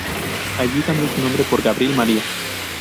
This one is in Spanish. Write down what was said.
Allí cambió su nombre por Gabriel María.